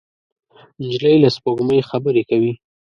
نجلۍ له سپوږمۍ خبرې کوي.